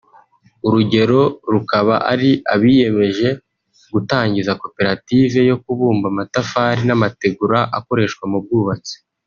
urugero rukaba ari abiyemeje gutangiza koperative yo kubumba amatafari n’amategura akoreshwa mu bwubatsi